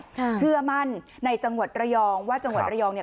เชื่อมั่นในจังหวัดระยองว่าจังหวัดระยองเนี่ย